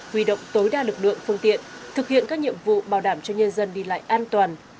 huy động tối đa lực lượng phương tiện thực hiện các nhiệm vụ bảo đảm cho nhân dân đi lại an toàn